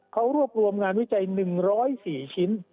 เขารวบรวมงานวิจัย๑๐๔ชิ้น